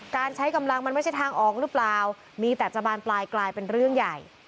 การใช้กำลังมันไม่ใช่ทางออกหรือเปล่ามีแต่จะบานปลายกลายเป็นเรื่องใหญ่